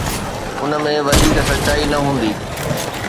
ان ۾ وڌيڪ سچائي نه هوندي.